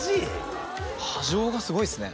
波状がすごいですね。